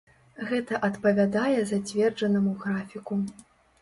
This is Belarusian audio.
Гэта адпавядае зацверджанаму графіку.